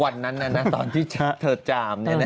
วันนั้นน่ะนะตอนที่เถิดจามนี่นะ